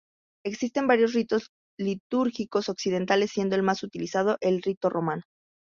Existen varios ritos litúrgicos occidentales, siendo el más utilizado el rito romano.